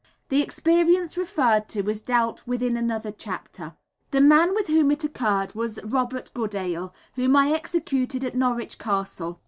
The experience referred to is dealt with in another chapter. The man with whom it occurred was Robert Goodale, whom I executed at Norwich Castle.